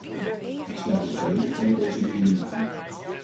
Ik sluit me volledig bij deze mening aan.